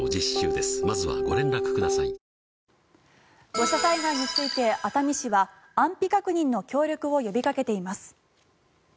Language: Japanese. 土砂災害について熱海市は安否確認の協力を呼びかけています。